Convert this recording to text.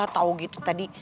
tahu gitu tadi